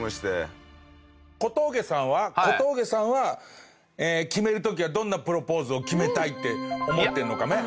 小峠さんは小峠さんは決める時はどんなプロポーズを決めたいって思ってるのカメ？